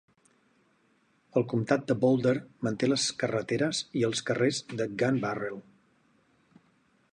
El comtat de Boulder manté les carreteres i els carrers de Gunbarrel.